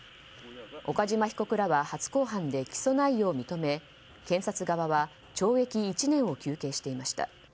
岡島被告らは初公判で起訴内容を認め検察側は懲役１年を求刑していました。